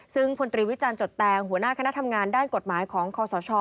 ซึ่งพลตรีวิจารณจดแตงหัวหน้าคณะทำงานด้านกฎหมายของคอสช